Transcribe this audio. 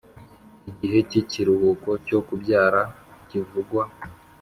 Igihe cy ikiruhuko cyo kubyara kivugwa